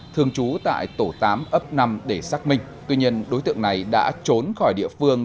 thường trú tại tổ tám ấp năm để xác minh tuy nhiên đối tượng này đã trốn khỏi địa phương